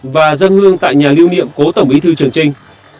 và dân hương tại nhà lưu niệm cố tổng bí thư trường trinh